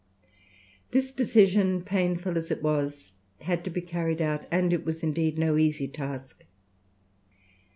This decision, painful as it was, had to be carried out, and it was indeed no easy task.